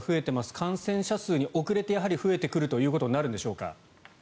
感染者数に遅れてやはり増えてくるということになるんでしょうか。